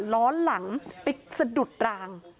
ล้อหลังไปสะดุดราง